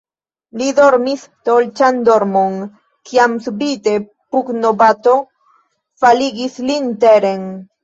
Li dormis dolĉan dormon, kiam subita pugnobato faligis lin teren.